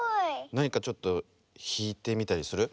なにかちょっとひいてみたりする？